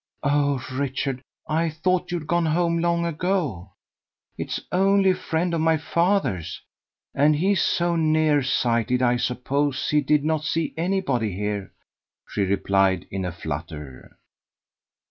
"Oh! Richard, I thought you'd gone home long ago. It's only a friend of my father's, and he's so near sighted I suppose he did not see anybody here," she replied in a flutter.